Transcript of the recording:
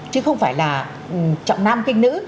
chứ không phải là trọng nam kinh nữ